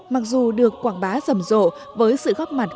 mặc dù được quảng bá rầm rộ với sự góp mặt